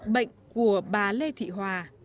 bệnh của bà lê thị hoàng